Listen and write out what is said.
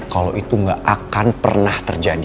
kalau itu gak akan pernah terjadi